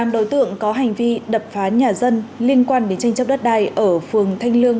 một mươi tám đối tượng có hành vi đập phá nhà dân liên quan đến tranh chấp đất đai ở phường thanh lương